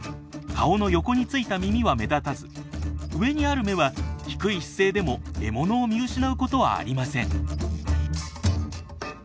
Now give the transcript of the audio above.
顔の横についた耳は目立たず上にある目は低い姿勢でも獲物を見失うことはありません。